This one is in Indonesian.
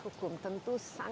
jadul kami menunjukkan